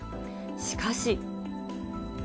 しかし。